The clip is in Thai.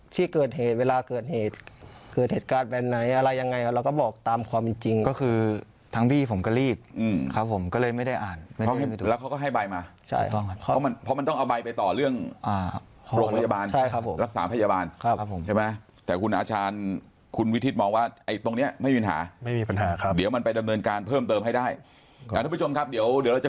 ที่เกิดเหตุเวลาเกิดเหตุเกิดเหตุการณ์แบบไหนอะไรยังไงเราก็บอกตามความจริงก็คือทั้งพี่ผมก็รีบอืมครับผมก็เลยไม่ได้อ่านแล้วเขาก็ให้ใบมาใช่ค่ะเพราะมันเพราะมันต้องเอาใบไปต่อเรื่องอ่าโรคพยาบาลใช่ครับผมรักษาพยาบาลครับผมใช่ไหมแต่คุณอาชารคุณวิทิศมองว่าไอ้ตรงเนี้ยไม่มีปัญหาไม่มีปัญห